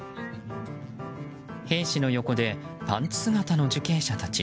兵士の横でパンツ姿の受刑者たち。